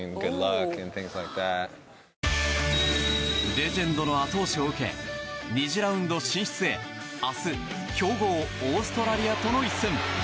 レジェンドの後押しを受け２次ラウンド進出へ明日強豪オーストラリアとの一戦。